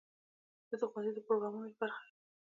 زه د ښوونځي د پروګرامونو برخه یم.